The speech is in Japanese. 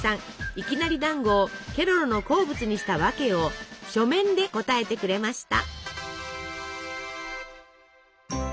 いきなりだんごをケロロの好物にした訳を書面で答えてくれました。